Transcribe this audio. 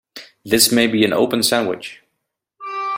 This may be an open sandwich.